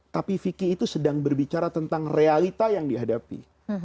tapi fikih itu sedang berbicara tentang realita yang dihadapi